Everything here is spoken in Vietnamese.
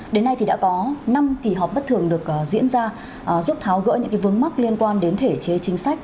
đến nay thì đã có năm kỳ họp bất thường được diễn ra giúp tháo gỡ những vướng mắc liên quan đến thể chế chính sách